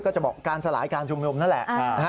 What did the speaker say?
ก็จะบอกการสลายการชุมนุมนั่นแหละนะฮะ